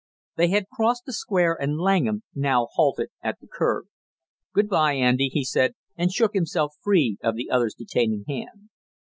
They had crossed the Square, and Langham now halted at the curb. "Good by, Andy!" he said, and shook himself free of the other's detaining hand.